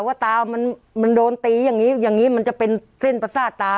ว่าตามันโดนตีอย่างนี้อย่างนี้มันจะเป็นเส้นประสาทตา